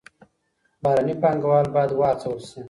بهرني پانګوال بايد وهڅول سي.